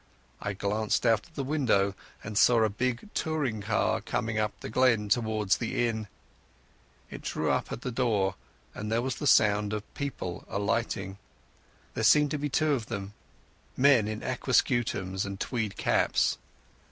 I glanced out of the window and saw a big touring car coming up the glen towards the inn. It drew up at the door, and there was the sound of people alighting. There seemed to be two of them, men in aquascutums and tweed caps.